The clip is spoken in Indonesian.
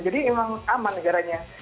jadi memang aman negaranya